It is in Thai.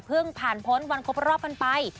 ผ่านพ้นวันครบรอบกันไป